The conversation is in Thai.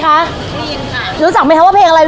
ครับผมมาเลยครับ